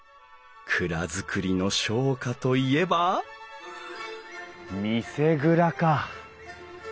蔵造りの商家といえば見世蔵か！